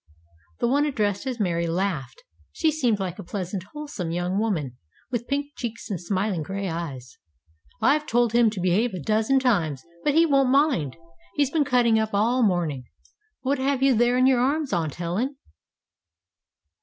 The one addressed as Mary laughed. She seemed like a pleasant, wholesome young woman, with pink cheeks and smiling gray eyes. "I've told him to behave a dozen times, but he won't mind. He's been cutting up all the morning. But what have you there in your arms, Aunt Helen?"